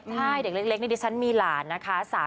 ใช่เด็กเล็กนี่ดิฉันมีหลานนะคะ